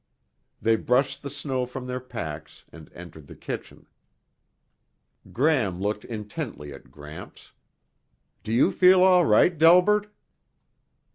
They brushed the snow from their pacs and entered the kitchen. Gram looked intently at Gramps. "Do you feel all right, Delbert?"